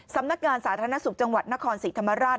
สำนักงานสาธารณสุขจังหวัดนครศรีธรรมราช